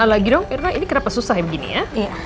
lagi dong mirna ini kenapa susah ya begini ya